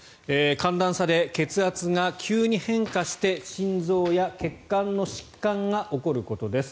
寒暖差で血圧が急に変化して心臓や血管の疾患が起こることです。